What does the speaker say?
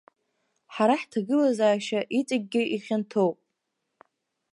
Ҳара ҳҭагылазаашьа иҵегьгьы ихьанҭоуп.